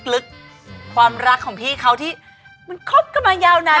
ลึกความรักของพี่เขาที่มันคบกันมายาวนาน